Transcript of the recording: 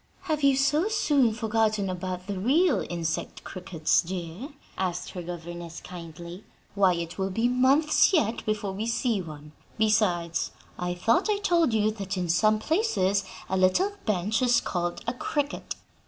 "Have you so soon forgotten about the real insect crickets, dear?" asked her governess, kindly. "Why, it will be months yet before we see one. Besides, I thought I told you that in some places a little bench is called a 'cricket'?